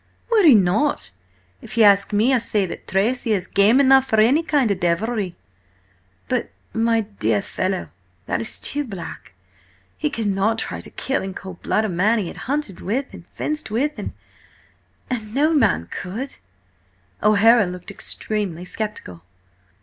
"Would he not? If ye ask me, I say that Tracy is game enough for any kind of devilry." "But, my dear fellow, that is too black! He could not try to kill in cold blood a man he had hunted with, and fenced with–and–and–no man could!" O'Hara looked extremely sceptical.